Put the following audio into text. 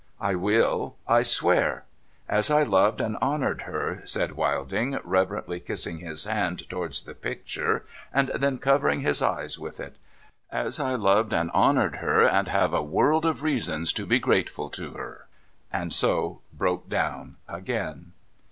I will, I swear. As I loved and honoured her,' said ^^'ilding, reverently kissing his hand towards the picture, and then covering his eyes with it. ' As I loved and honoured her, and have a world of reasons to be grateful to her !' And so broke down again.